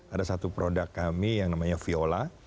ada satu produk kami yang namanya viola